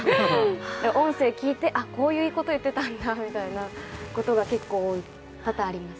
音声聞いて、あ、こういうこと言ってたんだみたいなことが多々あります。